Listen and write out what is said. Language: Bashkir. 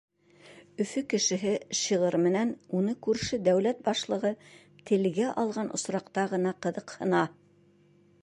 Өфө кешеһе шиғыр менән уны күрше дәүләт башлығы телгә алған осраҡта ғына ҡыҙыҡһына.